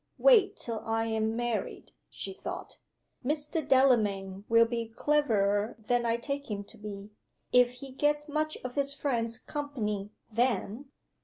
"Wait till I am married!" she thought. "Mr. Delamayn will be cleverer than I take him to be, if he gets much of his friend's company _then!